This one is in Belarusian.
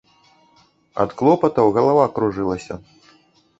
Ад клопатаў галава кружылася.